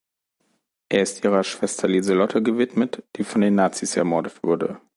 Er ist ihrer Schwester Liselotte gewidmet, die von den Nazis ermordet wurde.